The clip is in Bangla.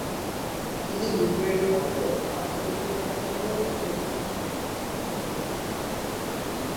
তিনি ভিক্টোরিয়ার মতে "আশ্চর্যজনকভাবে ইংরাজী শিখেছিলেন"।